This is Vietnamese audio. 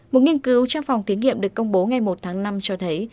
một nghiên cứu trong phòng thí nghiệm được công bố ngày một tháng năm cho thấy